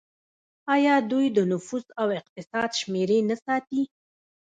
آیا دوی د نفوس او اقتصاد شمیرې نه ساتي؟